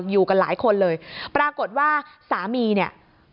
อยู่กันหลายคนเลยปรากฏว่าสามีเนี่ย